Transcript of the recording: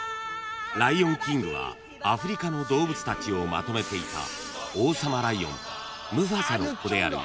［『ライオンキング』はアフリカの動物たちをまとめていた］